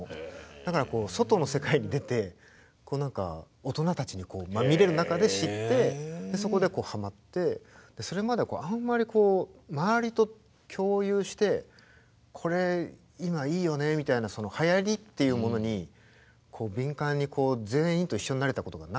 だから外の世界に出て大人たちにまみれる中で知ってそこではまってそれまではあんまり周りと共有してこれ今いいよねみたいなはやりっていうものに敏感に全員と一緒になれたことがなかったんですよ。